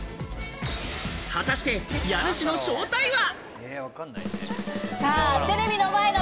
果たして家主の正体は？